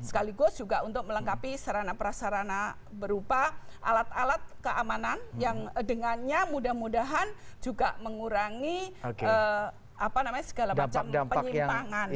sekaligus juga untuk melengkapi sarana prasarana berupa alat alat keamanan yang dengannya mudah mudahan juga mengurangi segala macam penyimpangan